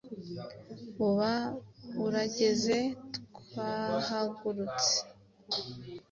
uba urageze. Twahagurutse i